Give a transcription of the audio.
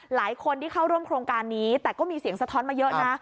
หลายคนที่เข้าร่วมโครงการนี้แต่ก็มีเสียงสะท้อนมาเยอะนะ